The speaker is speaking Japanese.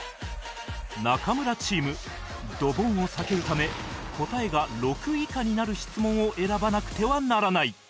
中村チームドボンを避けるため答えが６以下になる質問を選ばなくてはならない